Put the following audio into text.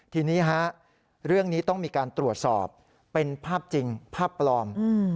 ทีนี้ฮะเรื่องนี้ต้องมีการตรวจสอบเป็นภาพจริงภาพปลอม